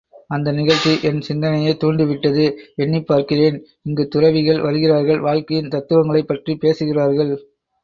அந்த நிகழ்ச்சி என் சிந்தனையைத் தூண்டிவிட்டது எண்ணிப்பார்க்கிறேன். இங்குத் துறவிகள் வருகிறார்கள் வாழ்க்கையின் தத்துவங்களைப் பற்றிப் பேசுகிறார்கள்.